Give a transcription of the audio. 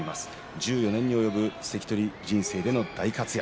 １４年にわたる関取人生での大活躍。